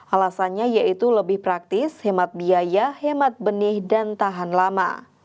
alasannya yaitu lebih praktis hemat biaya hemat benih dan tahan lama